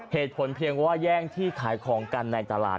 เหตุผลเพียงว่าแย่งที่ขายของกันในตลาด